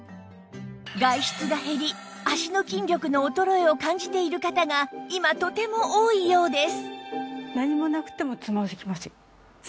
外出が減り脚の筋力の衰えを感じている方が今とても多いようです